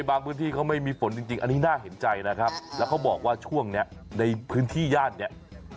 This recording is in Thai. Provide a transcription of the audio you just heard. บางพื้นที่เขาไม่มีฝนจริงอันนี้น่าเห็นใจนะครับแล้วเขาบอกว่าช่วงนี้ในพื้นที่ย่านเนี่ย